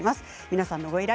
皆さんのご依頼